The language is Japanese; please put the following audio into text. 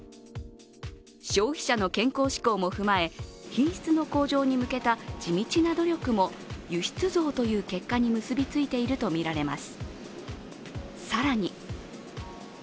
消費者の健康志向も踏まえ、品質の向上に向けた地道な努力も輸出増という結果に結びついているとみられます。